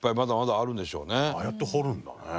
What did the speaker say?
ああやって掘るんだね。